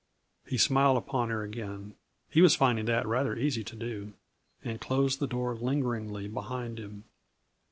He smiled upon her again (he was finding that rather easy to do) and closed the door lingeringly behind him.